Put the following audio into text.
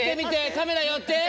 カメラ寄って！